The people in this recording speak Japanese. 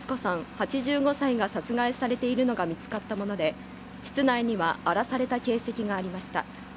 ８５歳が殺害されているのが見つかったもので室内には荒らされた形跡がありました